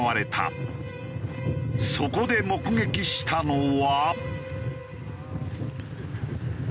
そこで目撃したのは。